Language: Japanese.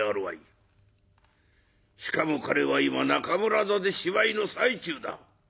しかも彼は今中村座で芝居の最中だ。